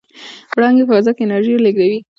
وړانګې په فضا کې انرژي لېږدوي.